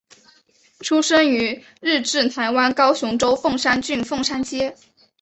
出生于日治台湾高雄州凤山郡凤山街。